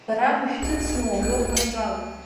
Бара бышәҭыцны уажәоуп банаҿало.